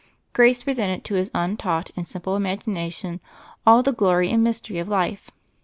Grace presented to his untaught and sim ple imagination all the glory and mystery of life.